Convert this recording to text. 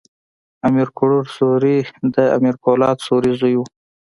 امیر کروړ سوري د امیر پولاد سوري زوی ؤ.